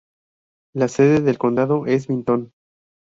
La sede del condado es Vinton.